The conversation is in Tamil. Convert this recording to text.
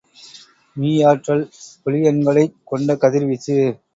மீயாற்றல் ஒளியன்களைக் கொண்ட கதிர்வீச்சு.